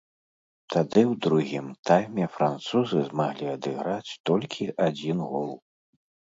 Тады ў другім тайме французы змаглі адыграць толькі адзін гол.